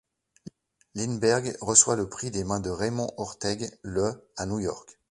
Lindbergh reçoit le prix des mains de Raymond Orteig le à New York.